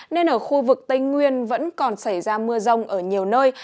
nên ở khu vực tây nguyên vẫn còn xảy ra mưa rông ở nhiều nơi